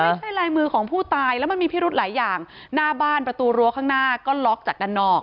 ลายมือของผู้ตายแล้วมันมีพิรุธหลายอย่างหน้าบ้านประตูรั้วข้างหน้าก็ล็อกจากด้านนอก